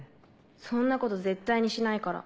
そんなこと絶対にしないから。